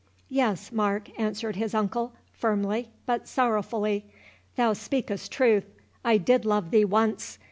"Yes, Mark," answered his uncle, firmly, but sorrowfully, "thou speakest truth—I did love thee once.